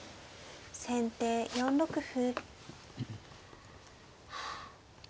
先手４六歩。